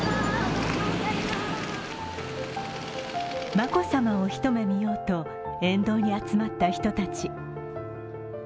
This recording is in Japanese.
眞子さまを一目見ようと、沿道に集まった人たち。